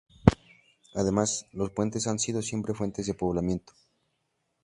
Además, los puentes han sido siempre fuentes de poblamiento.